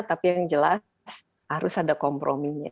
tapi yang jelas harus ada komprominya